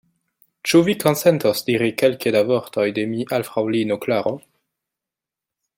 Ĉu vi konsentos diri kelke da vortoj de mi al fraŭlino Klaro?